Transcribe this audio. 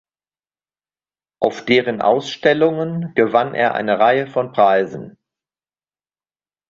Auf deren Ausstellungen gewann er eine Reihe von Preisen.